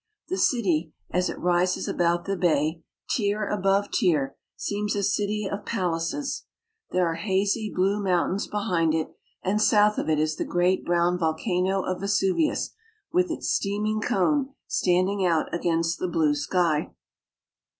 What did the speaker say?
The city, as it rises about the bay, tier above tier, seems a city of palaces. There are hazy blue mountains behind it, and south of it is the great brown volcano of Vesuvius, with its steaming cone standing out against the blue sky.